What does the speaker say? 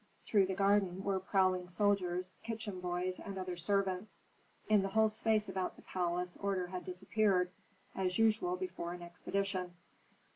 Through the garden were prowling soldiers, kitchen boys, and other servants. In the whole space about the palace order had disappeared, as usual before an expedition.